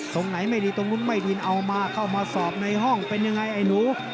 ตรงไหนไม่ดีตรงนู้นไม่ดินเอามาเข้ามาสอบในห้องเป็นยังไงไอ้หนู